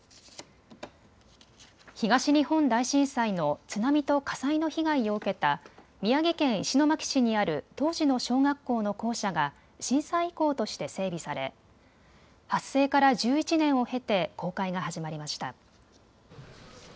東日本大震災の津波と火災の被害を受けた宮城県石巻市にある当時の小学校の校舎が震災遺構として整備され発生から１１年を経て公開が始まりました。